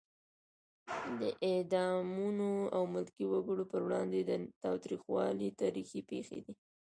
د اعدامونو او ملکي وګړو پر وړاندې تاوتریخوالی تاریخي پېښې دي.